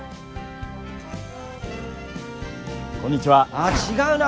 あっ違うな。